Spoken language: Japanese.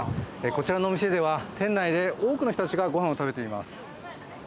こちらのお店では店内で多くの人たちが御飯を食べています。